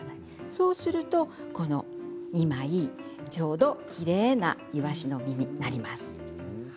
そうすると２枚ちょうどきれいなイワシの身になります。